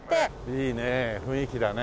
いいね雰囲気だね。